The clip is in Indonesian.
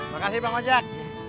makasih bang ojak